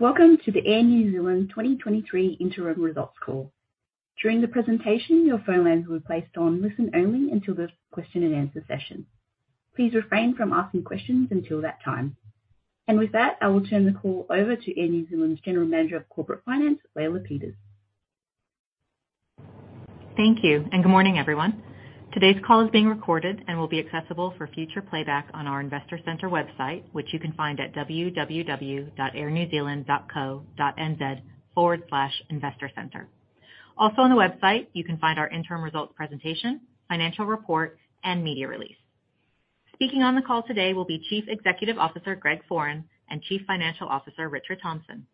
Welcome to the Air New Zealand 2023 interim results call. During the presentation, your phone lines will be placed on listen-only until the question and answer session. Please refrain from asking questions until that time. With that, I will turn the call over to Air New Zealand's General Manager of Corporate Finance, Leila Peters. Good morning, everyone. Today's call is being recorded and will be accessible for future playback on our investor center website, which you can find at www.airnewzealand.co.nz/investorcenter. On the website, you can find our interim results presentation, financial report, and media release. Speaking on the call today will be Chief Executive Officer, Greg Foran, and Chief Financial Officer, Richard Thomson.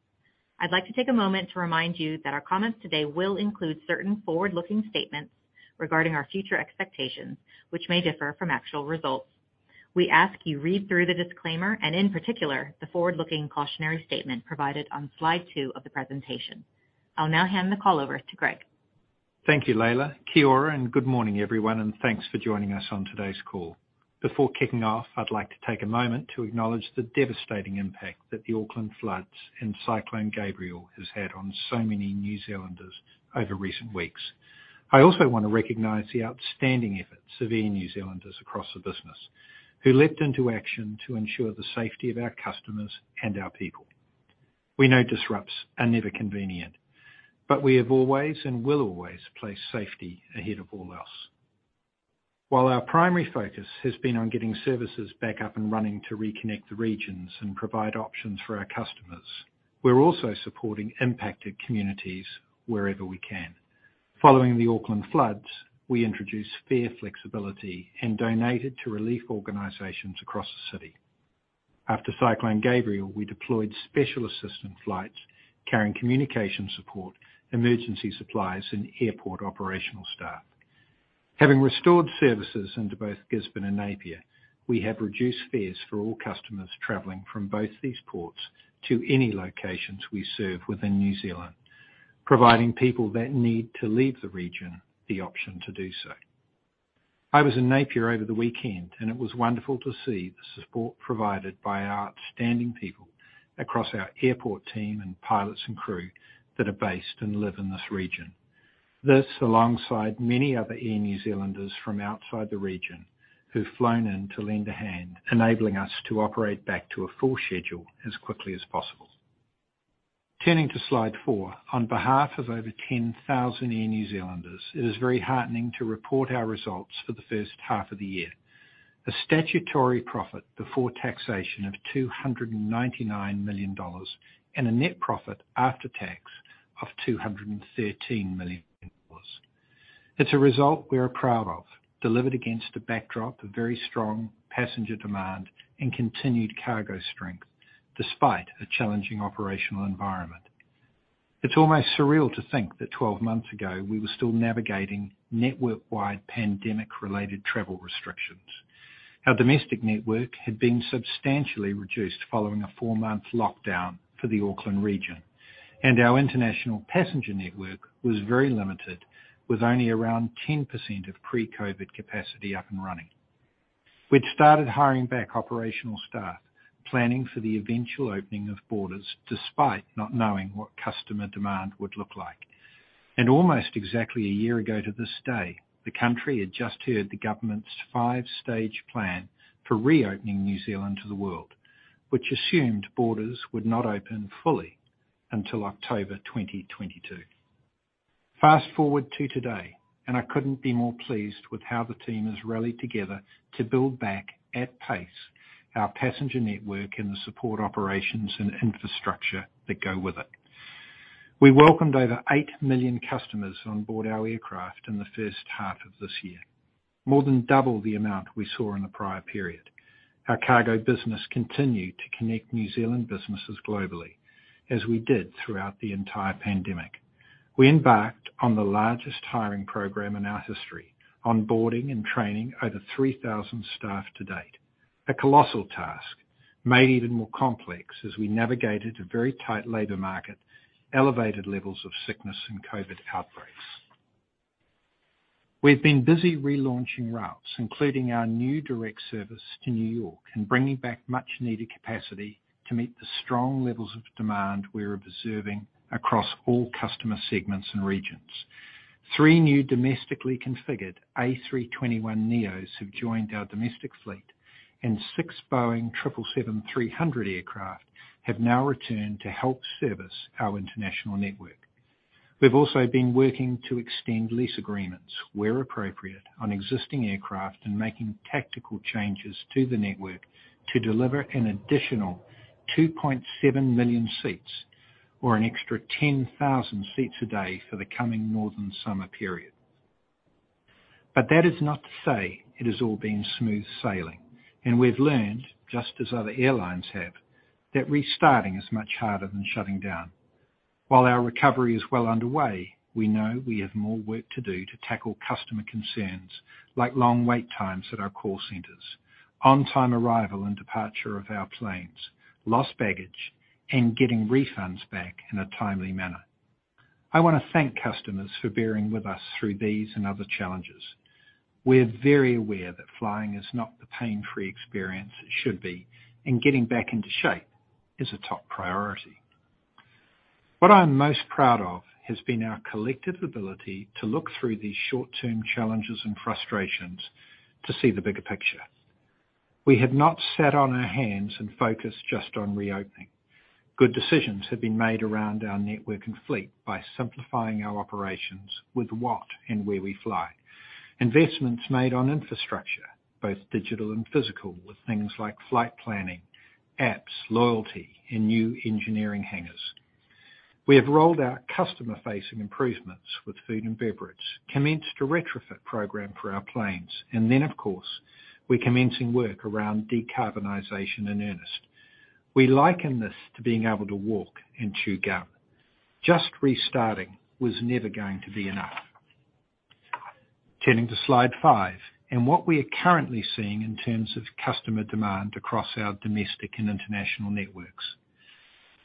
I'd like to take a moment to remind you that our comments today will include certain forward-looking statements regarding our future expectations, which may differ from actual results. We ask you read through the disclaimer and, in particular, the forward-looking cautionary statement provided on slide two of the presentation. I'll now hand the call over to Greg. Thank you, Leila. Kia ora, good morning, everyone, and thanks for joining us on today's call. Before kicking off, I'd like to take a moment to acknowledge the devastating impact that the Auckland floods and Cyclone Gabrielle has had on so many New Zealanders over recent weeks. I also want to recognize the outstanding efforts of Air New Zealanders across the business who leaped into action to ensure the safety of our customers and our people. We know disrupts are never convenient, we have always and will always place safety ahead of all else. While our primary focus has been on getting services back up and running to reconnect the regions and provide options for our customers, we're also supporting impacted communities wherever we can. Following the Auckland floods, we introduced fair flexibility and donated to relief organizations across the city. After Cyclone Gabrielle, we deployed special assistant flights carrying communication support, emergency supplies, and airport operational staff. Having restored services into both Gisborne and Napier, we have reduced fares for all customers traveling from both these ports to any locations we serve within New Zealand, providing people that need to leave the region the option to do so. I was in Napier over the weekend, and it was wonderful to see the support provided by our outstanding people across our airport team and pilots and crew that are based and live in this region. This, alongside many other Air New Zealanders from outside the region who've flown in to lend a hand, enabling us to operate back to a full schedule as quickly as possible. Turning to slide four. On behalf of over 10,000 Air New Zealanders, it is very heartening to report our results for the first half of the year. A statutory profit before taxation of 299 million dollars and a net profit after tax of 213 million dollars. It's a result we are proud of, delivered against a backdrop of very strong passenger demand and continued cargo strength despite a challenging operational environment. It's almost surreal to think that 12 months ago, we were still navigating network-wide pandemic-related travel restrictions. Our domestic network had been substantially reduced following a 4-month lockdown for the Auckland region, and our international passenger network was very limited, with only around 10% of pre-COVID capacity up and running. We'd started hiring back operational staff, planning for the eventual opening of borders, despite not knowing what customer demand would look like. Almost exactly a year ago to this day, the country had just heard the government's 5-stage plan for reopening New Zealand to the world, which assumed borders would not open fully until October 2022. Fast-forward to today, and I couldn't be more pleased with how the team has rallied together to build back at pace our passenger network and the support operations and infrastructure that go with it. We welcomed over 8 million customers on board our aircraft in the first half of this year, more than double the amount we saw in the prior period. Our cargo business continued to connect New Zealand businesses globally as we did throughout the entire pandemic. We embarked on the largest hiring program in our history, onboarding and training over 3,000 staff to date. A colossal task made even more complex as we navigated a very tight labor market, elevated levels of sickness and COVID-19 outbreaks. We've been busy relaunching routes, including our new direct service to New York and bringing back much-needed capacity to meet the strong levels of demand we are observing across all customer segments and regions. 3 new domestically configured A321neos have joined our domestic fleet, and 6 Boeing 777-300 aircraft have now returned to help service our international network. We've also been working to extend lease agreements, where appropriate on existing aircraft and making tactical changes to the network to deliver an additional 2.7 million seats or an extra 10,000 seats a day for the coming northern summer period. That is not to say it has all been smooth sailing, and we've learned, just as other airlines have, that restarting is much harder than shutting down. While our recovery is well underway, we know we have more work to do to tackle customer concerns like long wait times at our call centers, on-time arrival and departure of our planes, lost baggage, and getting refunds back in a timely manner. I want to thank customers for bearing with us through these and other challenges. We're very aware that flying is not the pain-free experience it should be, and getting back into shape is a top priority. What I'm most proud of has been our collective ability to look through these short-term challenges and frustrations to see the bigger picture. We have not sat on our hands and focused just on reopening. Good decisions have been made around our network and fleet by simplifying our operations with what and where we fly. Investments made on infrastructure, both digital and physical, with things like flight planning, apps, loyalty, and new engineering hangars. We have rolled out customer-facing improvements with food and beverage, commenced a retrofit program for our planes, and then, of course, we're commencing work around decarbonization in earnest. We liken this to being able to walk and chew gum. Just restarting was never going to be enough. Turning to slide five, and what we are currently seeing in terms of customer demand across our domestic and international networks.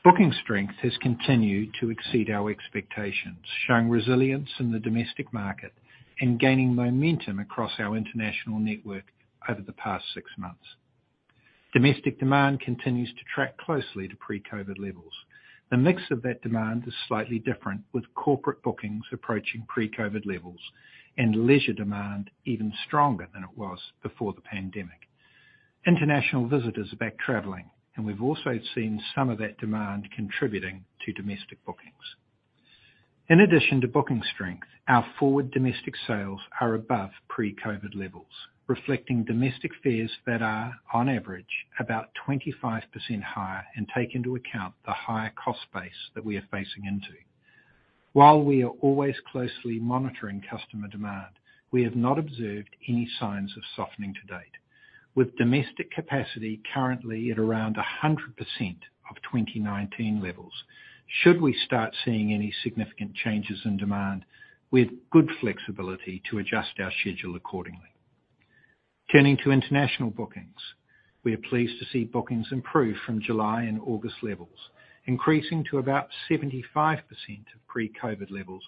Booking strength has continued to exceed our expectations, showing resilience in the domestic market and gaining momentum across our international network over the past 6 months. Domestic demand continues to track closely to pre-COVID levels. The mix of that demand is slightly different, with corporate bookings approaching pre-COVID levels and leisure demand even stronger than it was before the pandemic. International visitors are back traveling. We've also seen some of that demand contributing to domestic bookings. In addition to booking strength, our forward domestic sales are above pre-COVID levels, reflecting domestic fares that are, on average, about 25% higher and take into account the higher cost base that we are facing into. While we are always closely monitoring customer demand, we have not observed any signs of softening to date. With domestic capacity currently at around 100% of 2019 levels, should we start seeing any significant changes in demand with good flexibility to adjust our schedule accordingly. Turning to international bookings. We are pleased to see bookings improve from July and August levels, increasing to about 75% of pre-COVID levels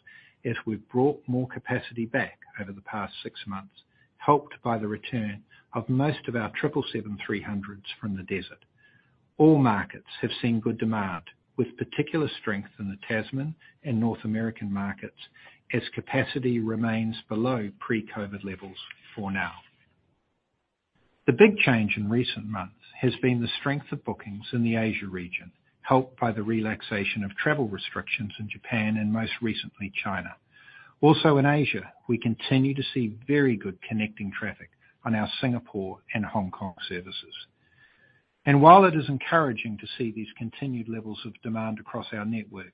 as we've brought more capacity back over the past six months, helped by the return of most of our 777-300 from the desert. All markets have seen good demand, with particular strength in the Tasman and North American markets as capacity remains below pre-COVID levels for now. The big change in recent months has been the strength of bookings in the Asia region, helped by the relaxation of travel restrictions in Japan and most recently, China. In Asia, we continue to see very good connecting traffic on our Singapore and Hong Kong services. While it is encouraging to see these continued levels of demand across our network,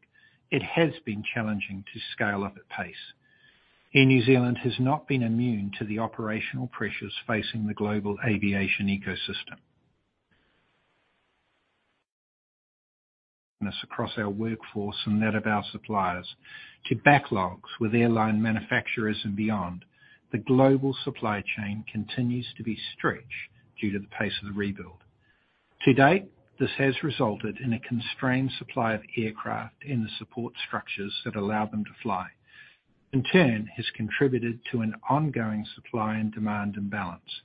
it has been challenging to scale up at pace. Air New Zealand has not been immune to the operational pressures facing the global aviation ecosystem. Across our workforce and that of our suppliers to backlogs with airline manufacturers and beyond, the global supply chain continues to be stretched due to the pace of the rebuild. To date, this has resulted in a constrained supply of aircraft in the support structures that allow them to fly, in turn, has contributed to an ongoing supply and demand imbalance.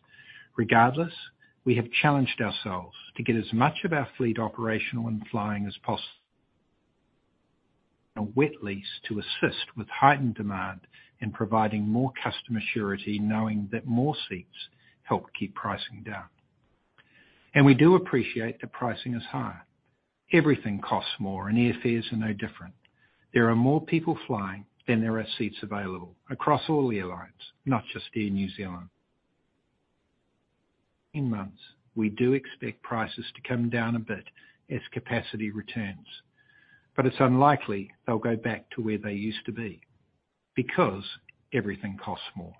Regardless, we have challenged ourselves to get as much of our fleet operational and flying as a wet lease to assist with heightened demand and providing more customer surety, knowing that more seats help keep pricing down. We do appreciate the pricing is higher. Everything costs more, and airfares are no different. There are more people flying than there are seats available across all airlines, not just Air New Zealand. In months, we do expect prices to come down a bit as capacity returns, but it's unlikely they'll go back to where they used to be because everything costs more.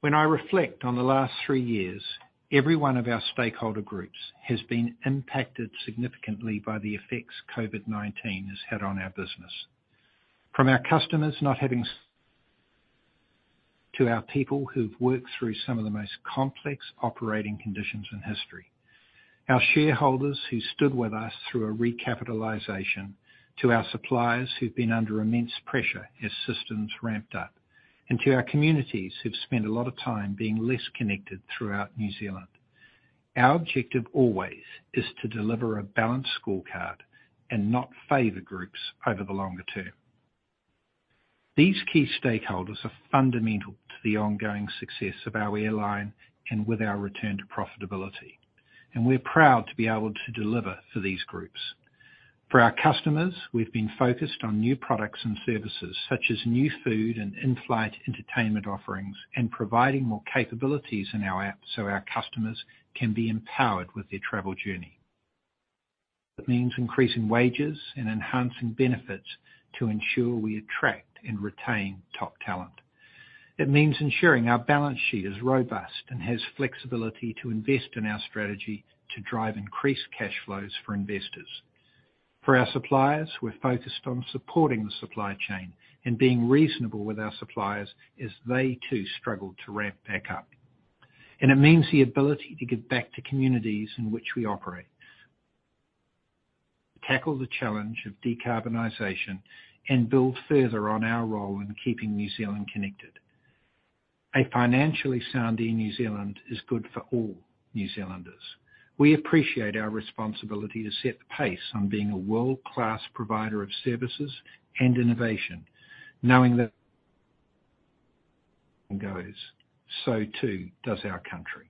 When I reflect on the last three years, every one of our stakeholder groups has been impacted significantly by the effects COVID-19 has had on our business. From our customers not having to our people who've worked through some of the most complex operating conditions in history, our shareholders who stood with us through a recapitalization, to our suppliers who've been under immense pressure as systems ramped up, and to our communities who've spent a lot of time being less connected throughout New Zealand. Our objective always is to deliver a balanced scorecard and not favor groups over the longer term. These key stakeholders are fundamental to the ongoing success of our airline and with our return to profitability, and we're proud to be able to deliver for these groups. For our customers, we've been focused on new products and services such as new food and in-flight entertainment offerings and providing more capabilities in our app so our customers can be empowered with their travel journey. It means increasing wages and enhancing benefits to ensure we attract and retain top talent. It means ensuring our balance sheet is robust and has flexibility to invest in our strategy to drive increased cash flows for investors. For our suppliers, we're focused on supporting the supply chain and being reasonable with our suppliers as they too struggle to ramp back up. It means the ability to give back to communities in which we operate, tackle the challenge of decarbonization, and build further on our role in keeping New Zealand connected. A financially sound Air New Zealand is good for all New Zealanders. We appreciate our responsibility to set the pace on being a world-class provider of services and innovation, knowing that goes, so too does our country.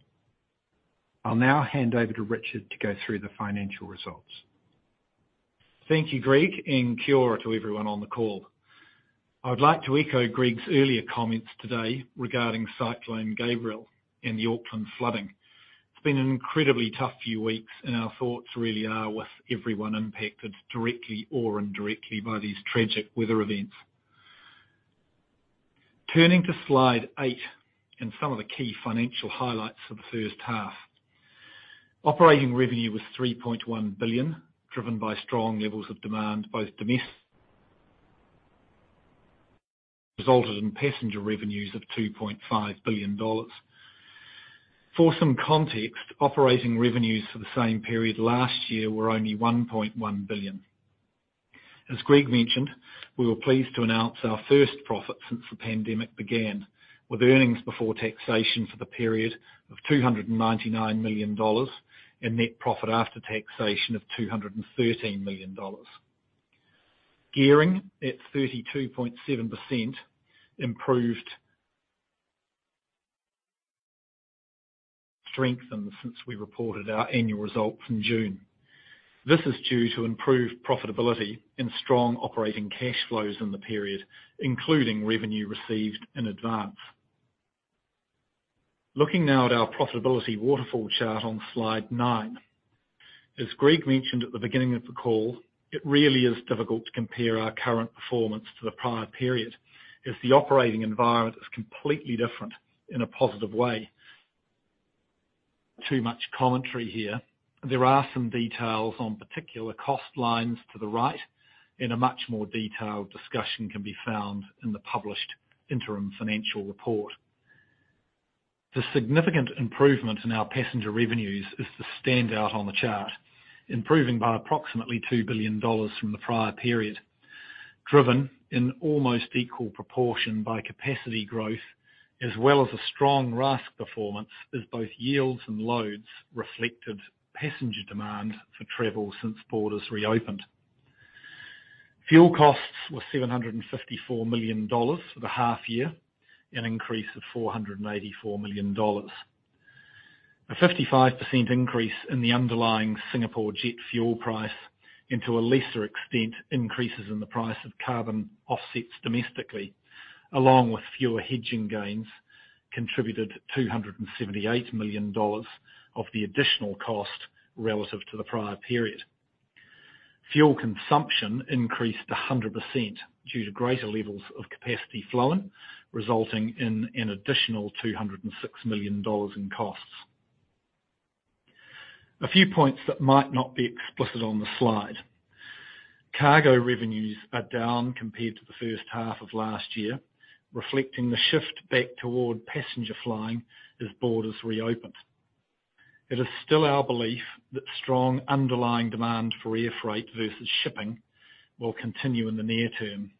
I'll now hand over to Richard to go through the financial results. Thank you, Greg. Kia ora to everyone on the call. I would like to echo Greg's earlier comments today regarding Cyclone Gabrielle and the Auckland flooding. It's been an incredibly tough few weeks. Our thoughts really are with everyone impacted directly or indirectly by these tragic weather events. Turning to slide 8 and some of the key financial highlights for the first half. Operating revenue was 3.1 billion, driven by strong levels of demand, resulted in passenger revenues of 2.5 billion dollars. For some context, operating revenues for the same period last year were only 1.1 billion. As Greg mentioned, we were pleased to announce our first profit since the pandemic began, with earnings before taxation for the period of 299 million dollars and net profit after taxation of 213 million dollars. Gearing at 32.7% improved strengthened since we reported our annual results in June. This is due to improved profitability and strong operating cash flows in the period, including revenue received in advance. Looking now at our profitability waterfall chart on slide nine. As Greg mentioned at the beginning of the call, it really is difficult to compare our current performance to the prior period, as the operating environment is completely different in a positive way. Too much commentary here. There are some details on particular cost lines to the right, and a much more detailed discussion can be found in the published interim financial report. The significant improvement in our passenger revenues is the standout on the chart, improving by approximately 2 billion dollars from the prior period. Driven in almost equal proportion by capacity growth, as well as a strong RASK performance, as both yields and loads reflected passenger demand for travel since borders reopened. Fuel costs were 754 million dollars for the half year, an increase of 484 million dollars. A 55% increase in the underlying Singapore jet fuel price, and to a lesser extent, increases in the price of carbon offsets domestically, along with fewer hedging gains, contributed 278 million dollars of the additional cost relative to the prior period. Fuel consumption increased 100% due to greater levels of capacity flowing, resulting in an additional 206 million dollars in costs. A few points that might not be explicit on the slide. Cargo revenues are down compared to the first half of last year, reflecting the shift back toward passenger flying as borders reopened. It is still our belief that strong underlying demand for air freight versus shipping will continue in the near term.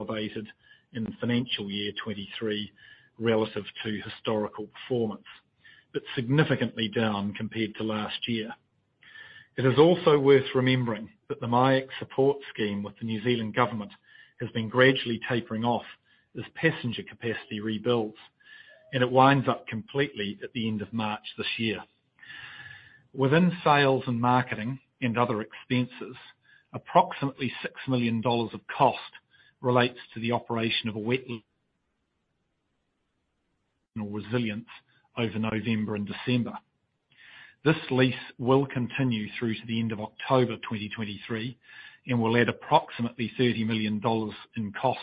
The financial year 2023 relative to historical performance, significantly down compared to last year. It is also worth remembering that the MIAC support scheme with the New Zealand Government has been gradually tapering off as passenger capacity rebuilds, and it winds up completely at the end of March this year. Within sales and marketing and other expenses, approximately 6 million dollars of cost relates to the operation of a resilience over November and December. This lease will continue through to the end of October 2023 and will add approximately 30 million dollars in cost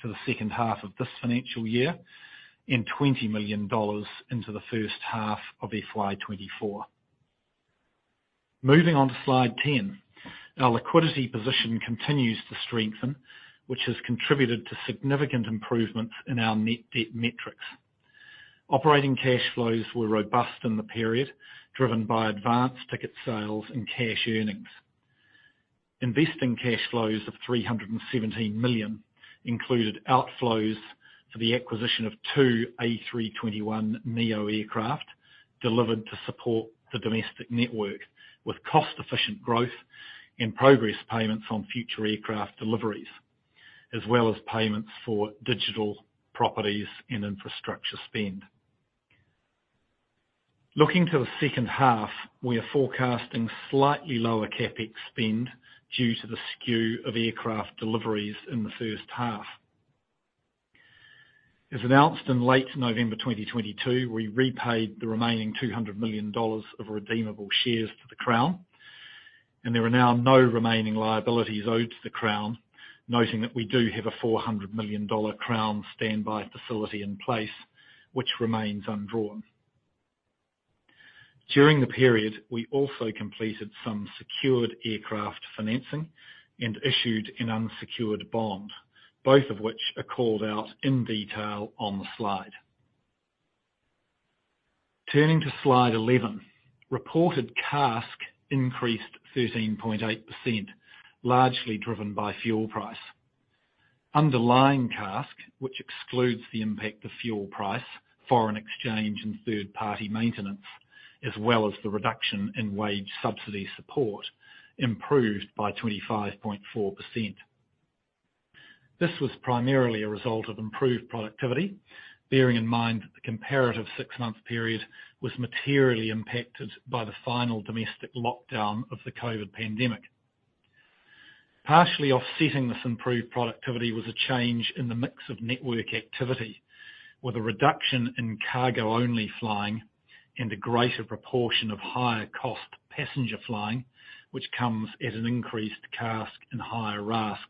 to the second half of this financial year and 20 million dollars into the first half of FY 2024. Moving on to slide 10. Our liquidity position continues to strengthen, which has contributed to significant improvements in our net debt metrics. Operating cash flows were robust in the period, driven by advanced ticket sales and cash earnings. Investing cash flows of 317 million included outflows for the acquisition of two A321neo aircraft delivered to support the domestic network with cost-efficient growth and progress payments on future aircraft deliveries, as well as payments for digital properties and infrastructure spend. Looking to the second half, we are forecasting slightly lower CapEx spend due to the skew of aircraft deliveries in the first half. As announced in late November 2022, we repaid the remaining 200 million dollars of redeemable shares to The Crown. There are now no remaining liabilities owed to The Crown, noting that we do have a 400 million dollar Crown standby facility in place which remains undrawn. During the period, we also completed some secured aircraft financing and issued an unsecured bond, both of which are called out in detail on the slide. Turning to slide 11. Reported CASK increased 13.8%, largely driven by fuel price. Underlying CASK, which excludes the impact of fuel price, foreign exchange, and third-party maintenance, as well as the reduction in wage subsidy support, improved by 25.4%. This was primarily a result of improved productivity, bearing in mind that the comparative six-month period was materially impacted by the final domestic lockdown of the COVID pandemic. Partially offsetting this improved productivity was a change in the mix of network activity, with a reduction in cargo-only flying and a greater proportion of higher cost passenger flying, which comes at an increased CASK and higher RASK.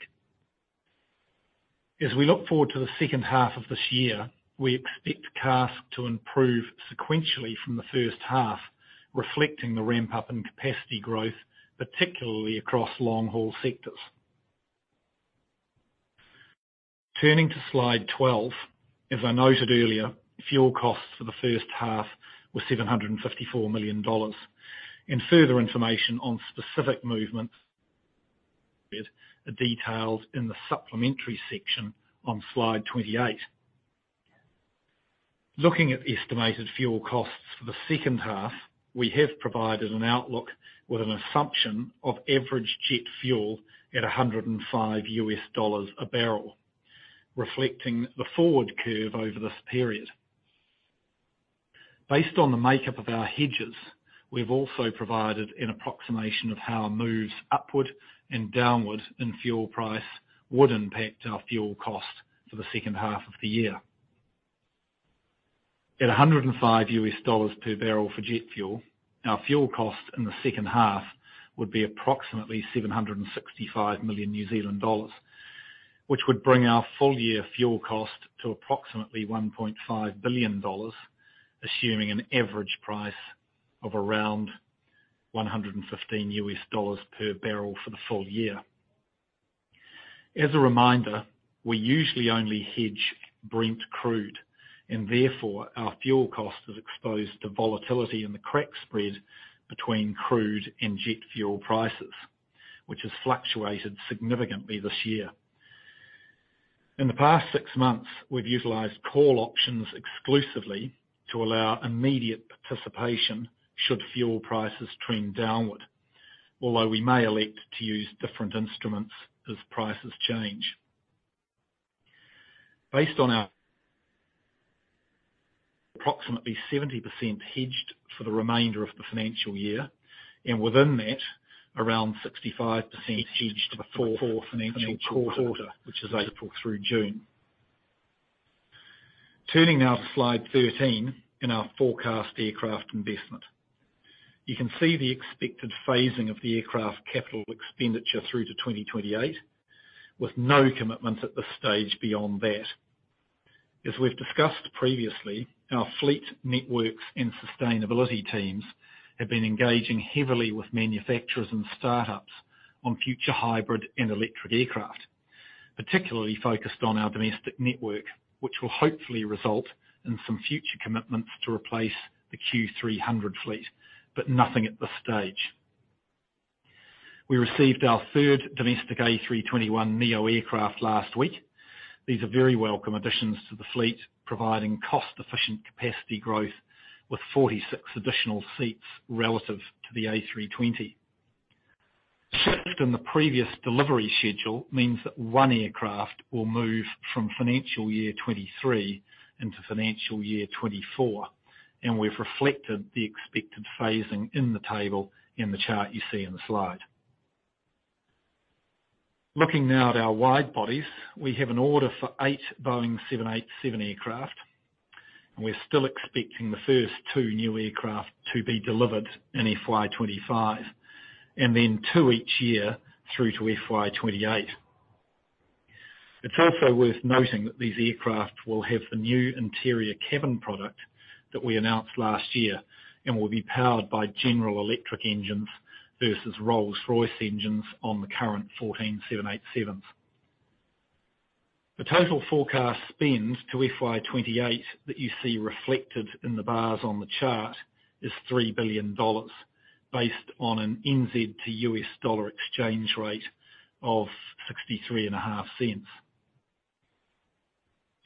We look forward to the second half of this year, we expect CASK to improve sequentially from the first half, reflecting the ramp-up in capacity growth, particularly across long-haul sectors. Turning to slide 12. I noted earlier, fuel costs for the first half were 754 million dollars. Further information on specific movements are detailed in the supplementary section on slide 28. Looking at estimated fuel costs for the second half, we have provided an outlook with an assumption of average jet fuel at $105 a barrel, reflecting the forward curve over this period. Based on the makeup of our hedges, we've also provided an approximation of how moves upward and downward in fuel price would impact our fuel cost for the second half of the year. At $105 per barrel for jet fuel, our fuel cost in the second half would be approximately 765 million New Zealand dollars, which would bring our full year fuel cost to approximately 1.5 billion dollars, assuming an average price of around $115 per barrel for the full year. As a reminder, we usually only hedge Brent crude and therefore our fuel cost is exposed to volatility in the crack spread between crude and jet fuel prices, which has fluctuated significantly this year. In the past six months, we've utilized call options exclusively to allow immediate participation should fuel prices trend downward. Although we may elect to use different instruments as prices change. Based on our approximately 70% hedged for the remainder of the financial year, and within that, around 65% hedged for the full financial quarter, which is April through June. Turning now to slide 13 in our forecast aircraft investment. You can see the expected phasing of the aircraft capital expenditure through to 2028, with no commitments at this stage beyond that. As we've discussed previously, our fleet networks and sustainability teams have been engaging heavily with manufacturers and startups on future hybrid and electric aircraft. Particularly focused on our domestic network, which will hopefully result in some future commitments to replace the Q300 fleet, but nothing at this stage. We received our third domestic A321neo aircraft last week. These are very welcome additions to the fleet, providing cost-efficient capacity growth with 46 additional seats relative to the A320. In the previous delivery schedule means that one aircraft will move from FY 2023 into FY2024. We've reflected the expected phasing in the table in the chart you see in the slide. Looking now at our wide bodies, we have an order for 8 Boeing 787 aircraft. We're still expecting the first two new aircraft to be delivered in FY 2025, then two each year through to FY 2028. It's also worth noting that these aircraft will have the new interior cabin product that we announced last year and will be powered by General Electric engines versus Rolls-Royce engines on the current 14 787s. The total forecast spend to FY 2028 that you see reflected in the bars on the chart is 3 billion dollars based on an NZ to U.S., dollar exchange rate of 63.5 cents.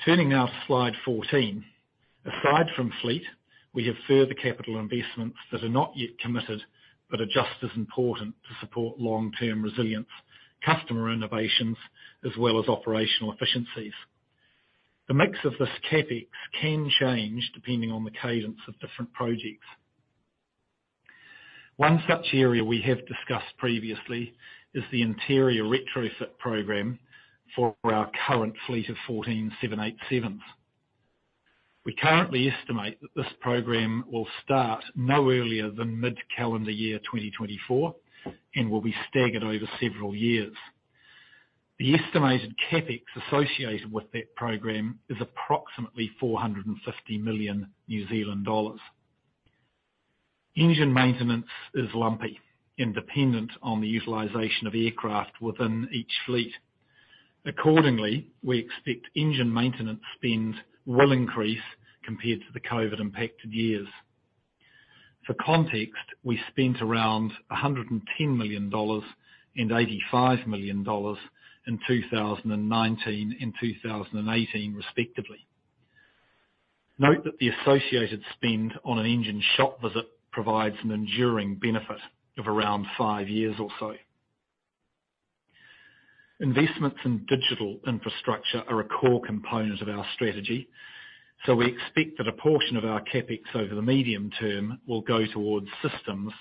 Turning now to slide 14. Aside from fleet, we have further capital investments that are not yet committed but are just as important to support long-term resilience, customer innovations, as well as operational efficiencies. The mix of this CapEx can change depending on the cadence of different projects. One such area we have discussed previously is the interior retrofit program for our current fleet of 14 787s. We currently estimate that this program will start no earlier than mid-calendar year 2024, and will be staggered over several years. The estimated CapEx associated with that program is approximately 450 million New Zealand dollars. Engine maintenance is lumpy and dependent on the utilization of aircraft within each fleet. Accordingly, we expect engine maintenance spend will increase compared to the COVID-impacted years. For context, we spent around 110 million dollars and 85 million dollars in 2019 and 2018, respectively. Note that the associated spend on an engine shop visit provides an enduring benefit of around five years or so. Investments in digital infrastructure are a core component of our strategy, so we expect that a portion of our CapEx over the medium term will go towards systems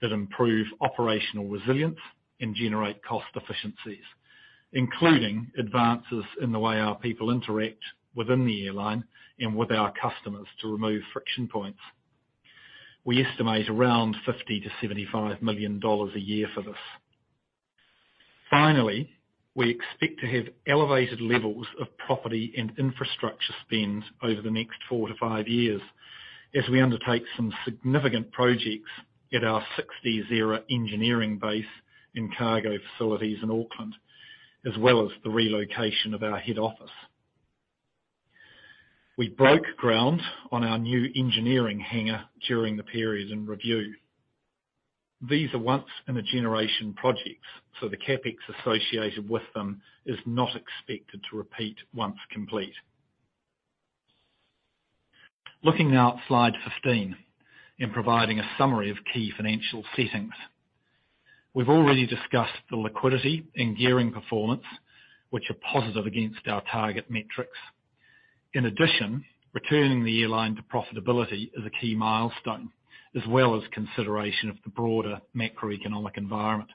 that improve operational resilience and generate cost efficiencies, including advances in the way our people interact within the airline and with our customers to remove friction points. We estimate around 50 million-75 million dollars a year for this. We expect to have elevated levels of property and infrastructure spend over the next four to five years as we undertake some significant projects at our 60s-era engineering base in cargo facilities in Auckland, as well as the relocation of our head office. We broke ground on our new engineering hangar during the period in review. These are once-in-a-generation projects, so the CapEx associated with them is not expected to repeat once complete. Looking now at slide 15, in providing a summary of key financial settings. We've already discussed the liquidity and gearing performance, which are positive against our target metrics. Returning the airline to profitability is a key milestone, as well as consideration of the broader macroeconomic environment.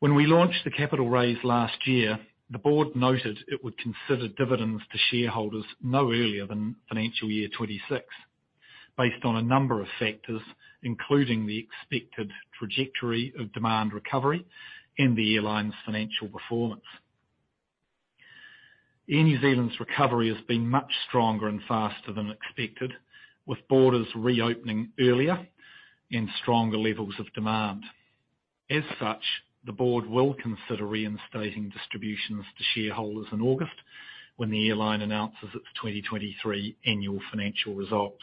When we launched the capital raise last year, the board noted it would consider dividends to shareholders no earlier than FY 2026 based on a number of factors, including the expected trajectory of demand recovery and the airline's financial performance. Air New Zealand's recovery has been much stronger and faster than expected, with borders reopening earlier and stronger levels of demand. The board will consider reinstating distributions to shareholders in August when the airline announces its 2023 annual financial results.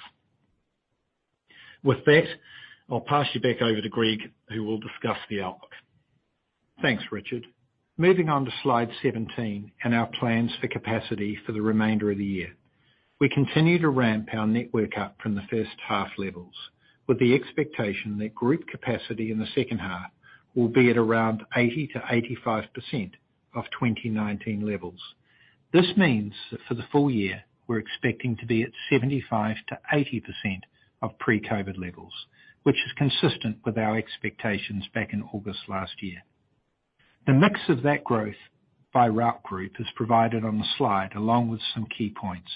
I'll pass you back over to Greg, who will discuss the outlook. Thanks, Richard. Moving on to slide 17 and our plans for capacity for the remainder of the year. We continue to ramp our network up from the first half levels, with the expectation that group capacity in the second half will be at around 80%-85% of 2019 levels. This means that for the full year, we're expecting to be at 75%-80% of pre-COVID levels, which is consistent with our expectations back in August last year. The mix of that growth by route group is provided on the slide, along with some key points.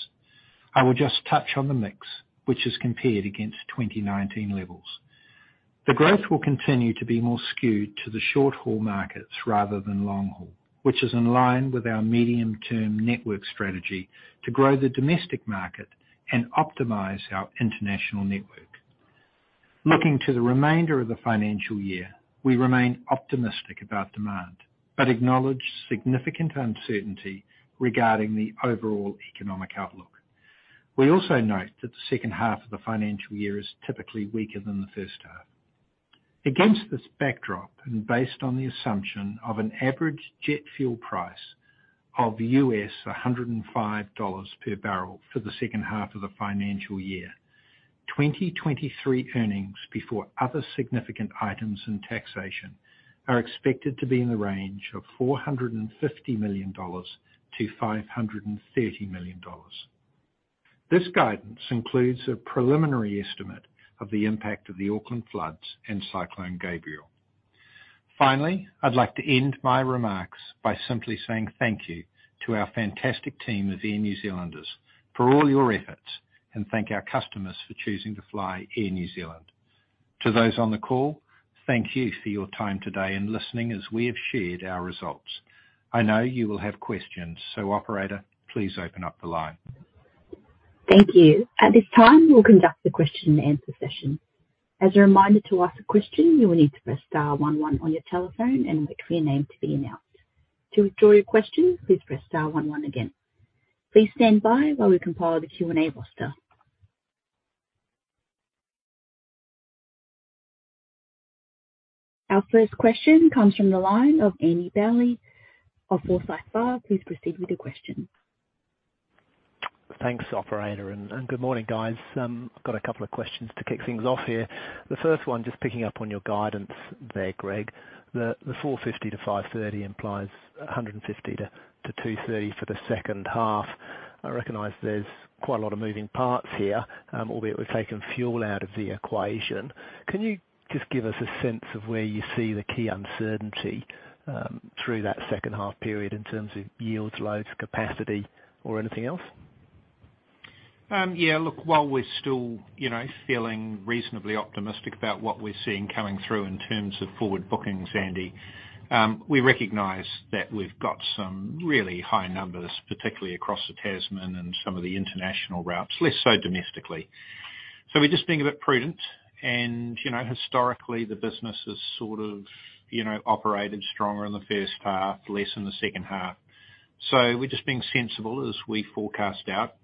I will just touch on the mix, which is compared against 2019 levels. The growth will continue to be more skewed to the short-haul markets rather than long-haul, which is in line with our medium-term network strategy to grow the domestic market and optimize our international network. Looking to the remainder of the financial year, we remain optimistic about demand but acknowledge significant uncertainty regarding the overall economic outlook. We also note that the second half of the financial year is typically weaker than the first half. Against this backdrop, based on the assumption of an average jet fuel price of $105 per barrel for the second half of the financial year. 2023 earnings before other significant items and taxation are expected to be in the range of $450 million-$530 million. This guidance includes a preliminary estimate of the impact of the Auckland floods and Cyclone Gabrielle. Finally, I'd like to end my remarks by simply saying thank you to our fantastic team of Air New Zealanders for all your efforts, and thank our customers for choosing to fly Air New Zealand. To those on the call, thank you for your time today and listening as we have shared our results. I know you will have questions, so operator, please open up the line. Thank you. At this time, we'll conduct the question and answer session. As a reminder, to ask a question, you will need to press star one one on your telephone and wait for your name to be announced. To withdraw your question, please press star one one again. Please stand by while we compile the Q&A roster. Our first question comes from the line of Andy Bowley of Forsyth Barr. Please proceed with your question. Thanks, operator, and good morning, guys. I've got a couple of questions to kick things off here. The first one, just picking up on your guidance there, Greg. The 450-530 implies 150-230 for the second half. I recognize there's quite a lot of moving parts here, albeit we've taken fuel out of the equation. Can you just give us a sense of where you see the key uncertainty through that second half period in terms of yields, loads, capacity or anything else? Look, while we're still, you know, feeling reasonably optimistic about what we're seeing coming through in terms of forward bookings, Andy, we recognize that we've got some really high numbers, particularly across the Tasman and some of the international routes, less so domestically. We're just being a bit prudent. You know, historically, the business has sort of, you know, operated stronger in the first half, less in the second half. We're just being sensible as we forecast out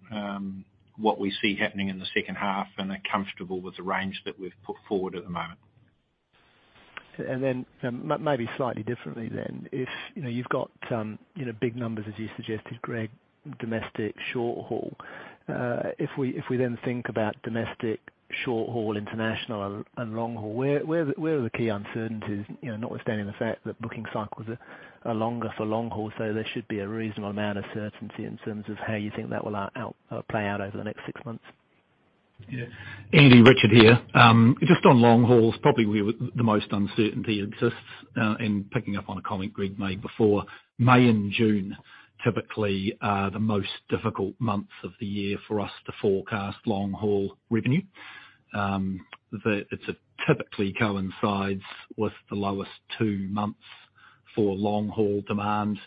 what we see happening in the second half, and are comfortable with the range that we've put forward at the moment. Maybe slightly differently then, if, you know, you've got, you know, big numbers, as you suggested, Greg, domestic short-haul. If we then think about domestic short-haul, international, and long-haul, where are the key uncertainties? You know, notwithstanding the fact that booking cycles are longer for long-haul, so there should be a reasonable amount of certainty in terms of how you think that will play out over the next six months. Yeah. Andy, Richard here. Just on long-haul is probably where the most uncertainty exists, in picking up on a comment Greg made before. May and June typically are the most difficult months of the year for us to forecast long-haul revenue. It typically coincides with the lowest two months for long-haul demand,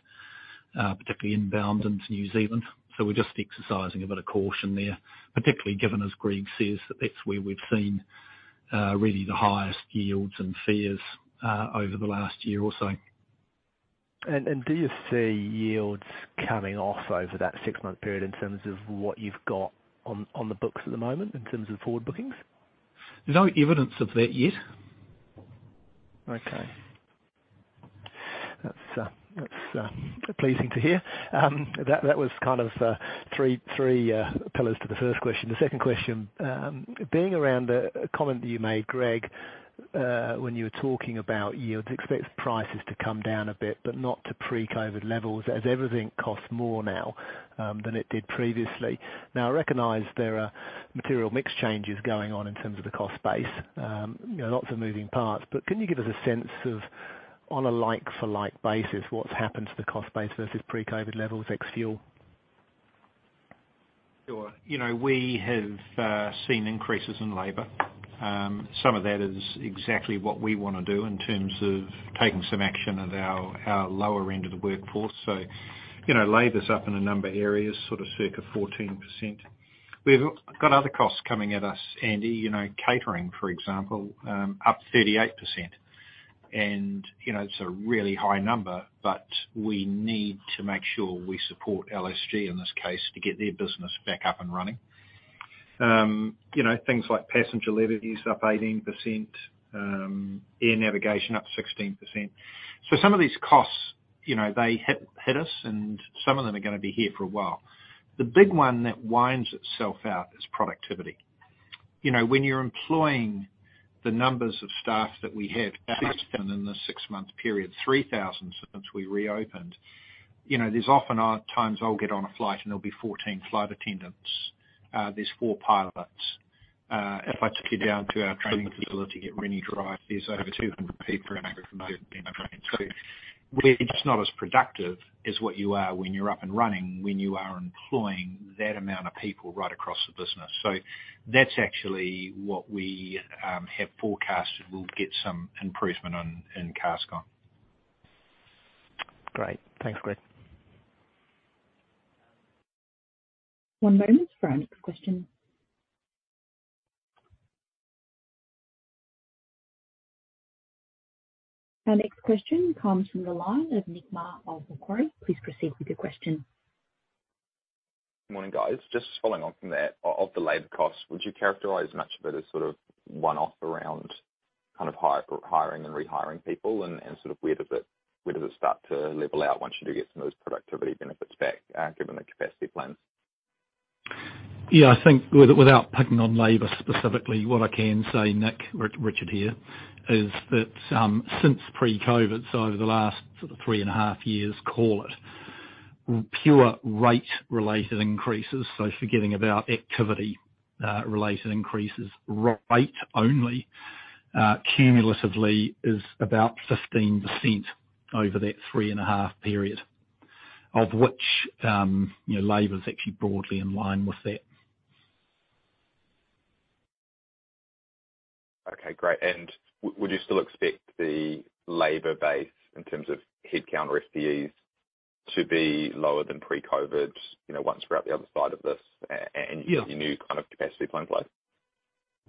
particularly inbound into New Zealand. We're just exercising a bit of caution there, particularly given, as Greg says, that that's where we've seen, really the highest yields and fares, over the last year or so. do you see yields coming off over that 6-month period in terms of what you've got on the books at the moment in terms of forward bookings? No evidence of that yet. Okay. That's pleasing to hear. That was kind of three pillars to the first question. The second question, being around a comment that you made, Greg, when you were talking about yields. Expect prices to come down a bit, but not to pre-COVID levels as everything costs more now, than it did previously. Now, I recognize there are material mix changes going on in terms of the cost base, you know, lots of moving parts. Can you give us a sense of, on a like for like basis, what's happened to the cost base versus pre-COVID levels, ex fuel? Sure. You know, we have seen increases in labor. Some of that is exactly what we wanna do in terms of taking some action at our lower end of the workforce. You know, labor's up in a number of areas, sort of circa 14%. We've got other costs coming at us, Andy. You know, catering, for example, up 38%. You know, it's a really high number, but we need to make sure we support LSG in this case to get their business back up and running. You know, things like passenger liabilities up 18%, air navigation up 16%. Some of these costs, you know, they hit us, and some of them are gonna be here for a while. The big one that winds itself out is productivity. You know, when you're employing the numbers of staff that we have, 6,000 in the six-month period, 3,000 since we reopened, you know, there's often are times I'll get on a flight and there'll be 14 flight attendants. There's 4 pilots. If I took you down to our training facility at Rennie Drive, there's over 200 people. We're just not as productive as what you are when you're up and running, when you are employing that amount of people right across the business. That's actually what we have forecasted. We'll get some improvement on in CASK on. Great. Thanks, Greg. One moment for our next question. Our next question comes from the line of Nick Mar of Macquarie. Please proceed with your question. Morning, guys. Just following on from that. Of the labor costs, would you characterize much of it as sort of one-off around kind of hire, hiring and rehiring people? Sort of where does it start to level out once you do get some of those productivity benefits back given the capacity plans? Yeah. I think without picking on labor specifically, what I can say, Nick, Richard here, is that, since pre-COVID, so over the last 3.5 years, call it, pure rate related increases. So forgetting about activity, related increases, rate only, cumulatively is about 15% over that 3.5 period. Of which, you know, labor is actually broadly in line with that. Okay, great. Would you still expect the labor base in terms of headcount or FTEs to be lower than pre-COVID, you know, once we're out the other side of this? Yeah your new kind of capacity plan flow?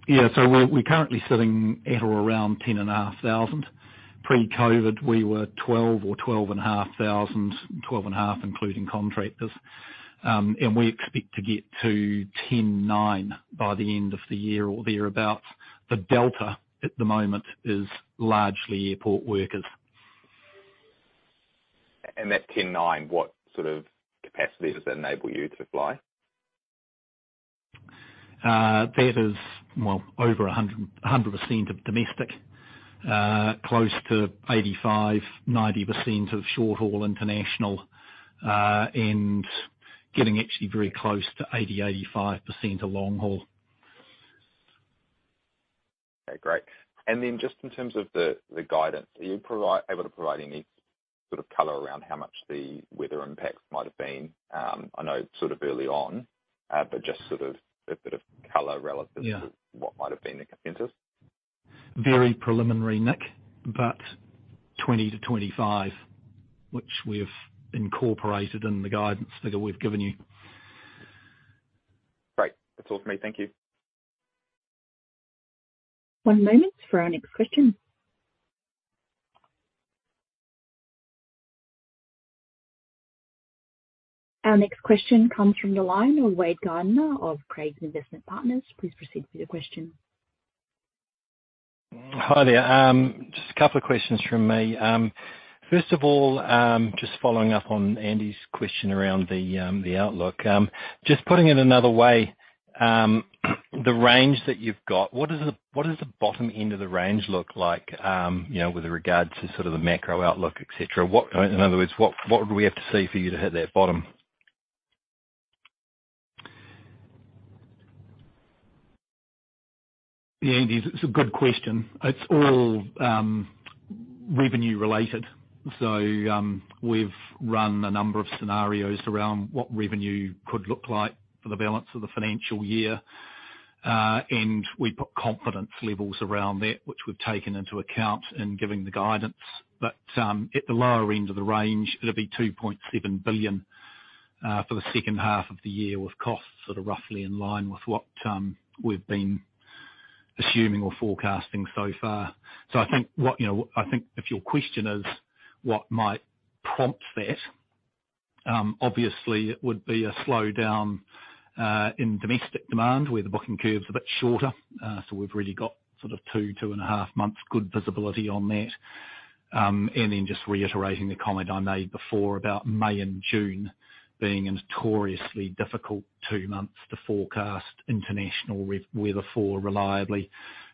Yeah. We're currently sitting at or around 10,500. Pre-COVID-19, we were 12,000 or 12,500. 12,500 including contractors. And we expect to get to 10,900 by the end of the year or thereabout. The delta at the moment is largely airport workers. That 109, what sort of capacity does that enable you to fly? That is, well, over 100% of domestic, close to 85%-90% of short-haul international, and getting actually very close to 80%-85% of long-haul. Okay, great. Just in terms of the guidance, are you able to provide any sort of color around how much the weather impacts might have been? I know it's sort of early on, just sort of a bit of color relative. Yeah. to what might have been the consensus. Very preliminary, Nick, but 20-25, which we've incorporated in the guidance figure we've given you. Great. That's all from me. Thank you. One moment for our next question. Our next question comes from the line of Wade Gardiner of Craigs Investment Partners. Please proceed with your question. Hi there. Just a couple of questions from me. First of all, just following up on Andy's question around the outlook. Just putting it another way, the range that you've got, what does the bottom end of the range look like, you know, with regard to sort of the macro outlook, et cetera? In other words, what would we have to see for you to hit that bottom? Yeah, Andy, it's a good question. It's all revenue related. We've run a number of scenarios around what revenue could look like for the balance of the financial year. We put confidence levels around that which we've taken into account in giving the guidance. At the lower end of the range, it'll be 2.7 billion for the second half of the year, with costs sort of roughly in line with what we've been assuming or forecasting so far. I think what, you know, I think if your question is what might prompt that, obviously it would be a slowdown in domestic demand where the booking curve's a bit shorter. We've really got sort of 2 and a half months good visibility on that. Just reiterating the comment I made before about May and June being a notoriously difficult two months to forecast international weather for reliably.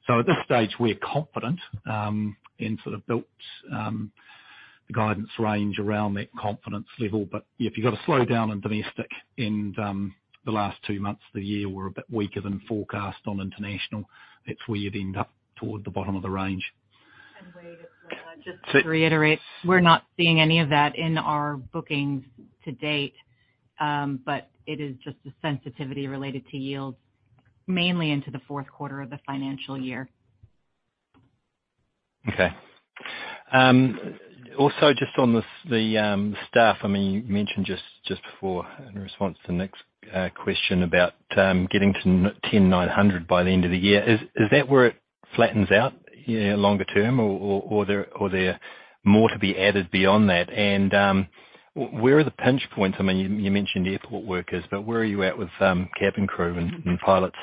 At this stage, we're confident and sort of built the guidance range around that confidence level. If you've got a slowdown in domestic and the last two months of the year were a bit weaker than forecast on international, that's where you'd end up toward the bottom of the range. Wade, just to reiterate, we're not seeing any of that in our bookings to date. It is just a sensitivity related to yields, mainly into the fourth quarter of the financial year. Okay. Also just on the staff, I mean, you mentioned just before in response to Nick's question about getting to 10,900 by the end of the year. Is that where it flattens out, you know, longer term or there more to be added beyond that? Where are the pinch points? I mean, you mentioned airport workers, but where are you at with cabin crew and pilots?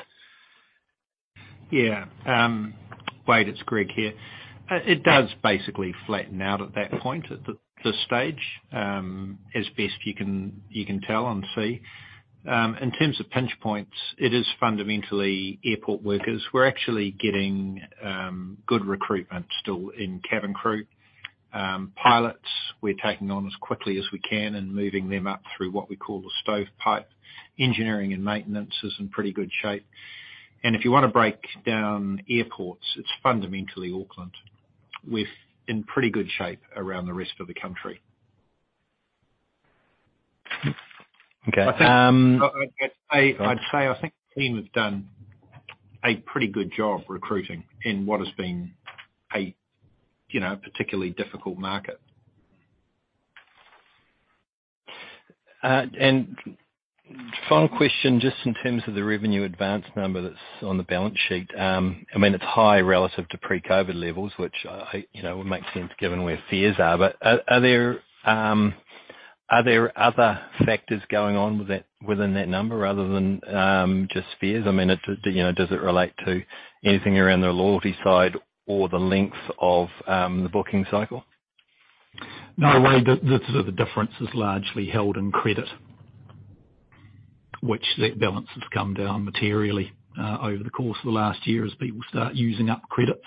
Yeah. Wade, it's Greg here. It does basically flatten out at that point at this stage, as best you can, you can tell and see. In terms of pinch points, it is fundamentally airport workers. We're actually getting good recruitment still in cabin crew. Pilots, we're taking on as quickly as we can and moving them up through what we call the stovepipe. Engineering and maintenance is in pretty good shape. If you wanna break down airports, it's fundamentally Auckland. We're in pretty good shape around the rest of the country. Okay. I'd say I think the team has done a pretty good job recruiting in what has been a, you know, particularly difficult market. Final question, just in terms of the revenue advance number that's on the balance sheet. I mean, it's high relative to pre-COVID levels, which I, you know, would make sense given where fears are. Are there other factors going on with that, within that number other than just fears? I mean, it, you know, does it relate to anything around the loyalty side or the length of the booking cycle? No, Wade. The difference is largely held in credit, which that balance has come down materially, over the course of the last year as people start using up credits.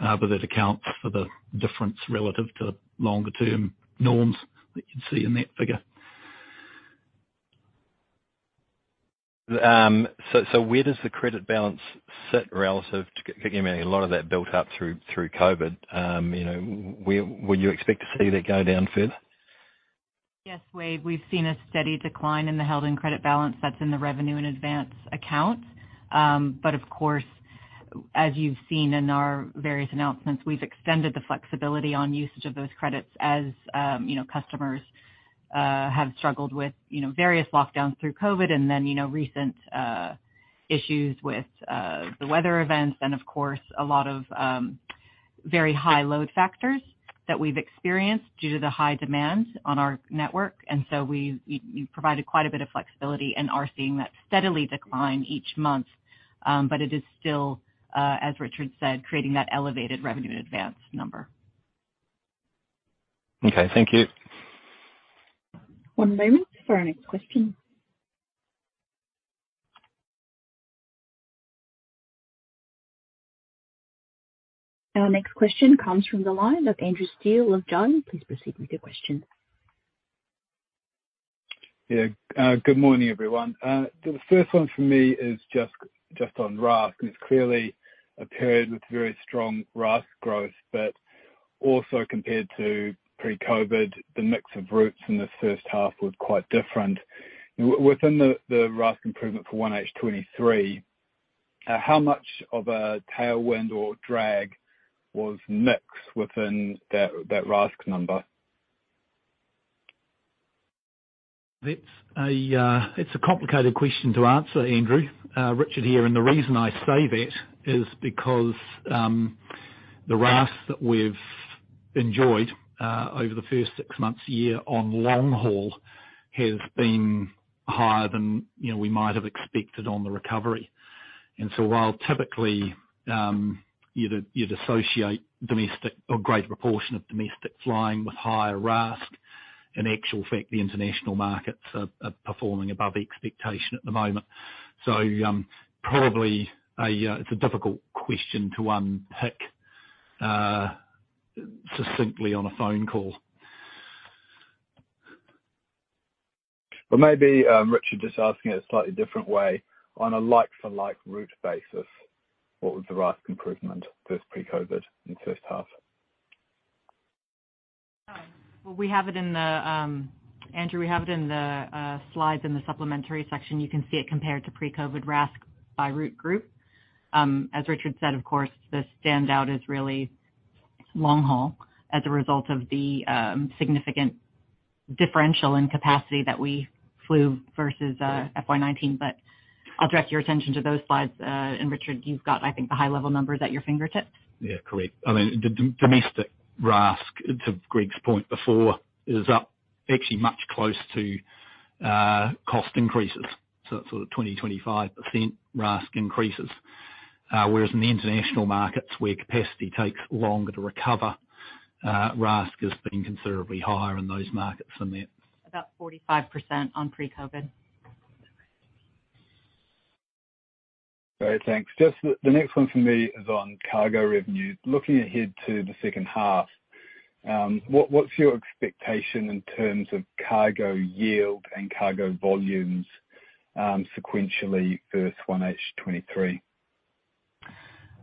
That accounts for the difference relative to longer term norms that you'd see in that figure. Where does the credit balance sit relative to... Given a lot of that built up through COVID, you know, where would you expect to see that go down further? Yes, Wade. We've seen a steady decline in the held in credit balance that's in the revenue and advance accounts. But of course, as you've seen in our various announcements, we've extended the flexibility on usage of those credits as, you know, customers have struggled with, you know, various lockdowns through COVID-19 and then, you know, recent issues with the weather events and of course, a lot of very high load factors that we've experienced due to the high demands on our network. We've provided quite a bit of flexibility and are seeing that steadily decline each month. But it is still, as Richard said, creating that elevated revenue advance number. Okay, thank you. One moment for our next question. Our next question comes from the line of Andrew Steele of Jarden. Please proceed with your question. Yeah. Good morning, everyone. The first one for me is just on RASK. It's clearly a period with very strong RASK growth, but also compared to pre-COVID, the mix of routes in the first half was quite different. Within the RASK improvement for 1H3, how much of a tailwind or drag was mixed within that RASK number? It's a, it's a complicated question to answer, Andrew Steele. Richard Thomson here. The reason I say that is because the RASK that we've enjoyed over the first six months year on long haul has been higher than, you know, we might have expected on the recovery. While typically, you'd associate domestic or a great proportion of domestic flying with higher RASK, in actual fact, the international markets are performing above expectation at the moment. Probably a, it's a difficult question to unpick succinctly on a phone call. Maybe, Richard, just asking it a slightly different way. On a like for like route basis, what was the RASK improvement versus pre-COVID in the first half? Well, we have it in the, Andrew, we have it in the slides in the supplementary section. You can see it compared to pre-COVID RASK by route group. As Richard said, of course, the standout is really long haul as a result of the significant differential in capacity that we flew versus FY 2019. I'll direct your attention to those slides. Richard, you've got, I think, the high level numbers at your fingertips. Yeah, correct. I mean, the domestic RASK, to Greg's point before, is up actually much close to cost increases. That's sort of 20%-25% RASK increases. Whereas in the international markets where capacity takes longer to recover, RASK has been considerably higher in those markets than that. About 45% on pre-COVID. Great. Thanks. Just the next one for me is on cargo revenue. Looking ahead to the second half, what's your expectation in terms of cargo yield and cargo volumes, sequentially versus 1H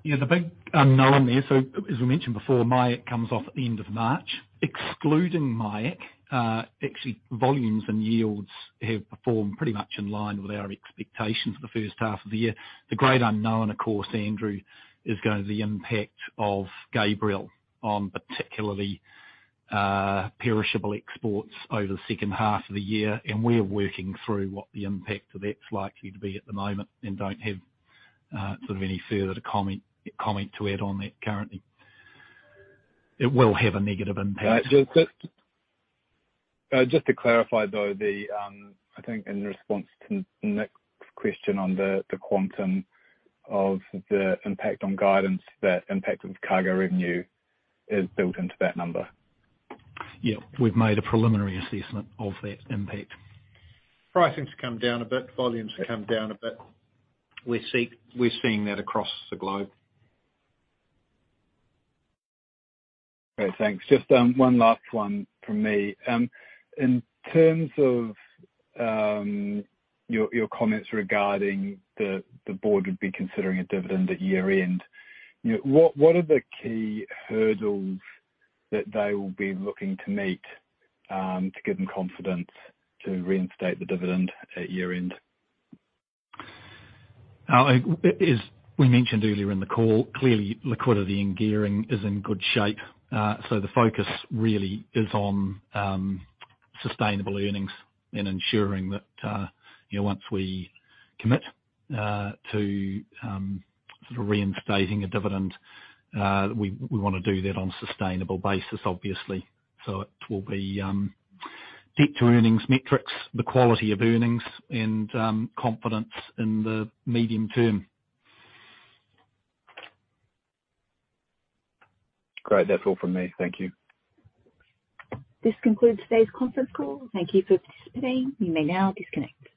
2023? The big unknown there, as we mentioned before, MIAC comes off at the end of March. Excluding MIAC, actually, volumes and yields have performed pretty much in line with our expectations for the first half of the year. The great unknown, of course, Andrew, is gonna be the impact of Cyclone Gabrielle on particularly perishable exports over the second half of the year. We're working through what the impact of that's likely to be at the moment and don't have, sort of any further comment to add on that currently. It will have a negative impact. Just to clarify, though, the, I think in response to Nick's question on the quantum of the impact on guidance that impacted cargo revenue is built into that number. Yeah. We've made a preliminary assessment of that impact. Pricing's come down a bit, volumes have come down a bit. We're seeing that across the globe. Great. Thanks. Just one last one from me. In terms of your comments regarding the board would be considering a dividend at year-end, you know, what are the key hurdles that they will be looking to meet to give them confidence to reinstate the dividend at year-end? As we mentioned earlier in the call, clearly liquidity and gearing is in good shape. The focus really is on sustainable earnings and ensuring that, you know, once we commit to, sort of reinstating a dividend, we wanna do that on a sustainable basis, obviously. It will be, debt to earnings metrics, the quality of earnings and confidence in the medium term. Great. That's all from me. Thank you. This concludes today's conference call. Thank you for participating. You may now disconnect.